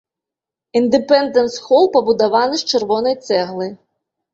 Індэпендэнс-хол пабудаваны з чырвонай цэглы.